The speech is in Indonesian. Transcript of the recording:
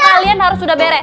kalian harus udah beres